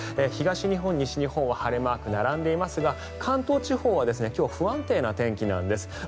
東日本、西日本は晴れマークが並んでいますが関東地方は今日不安定な天気なんです。